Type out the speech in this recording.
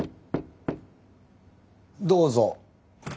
どうぞ。